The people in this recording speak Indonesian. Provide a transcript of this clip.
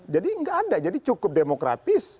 jadi nggak ada jadi cukup demokratis